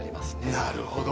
なるほど。